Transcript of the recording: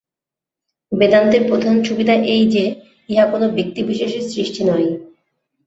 বেদান্তের প্রধান সুবিধা এই যে, ইহা কোন ব্যক্তিবিশেষের সৃষ্টি নয়।